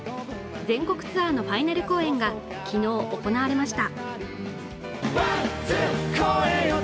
全国ツアーのファイナル公演が昨日、行われました。